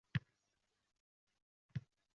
Yana boz ustiga rahm ham qildim: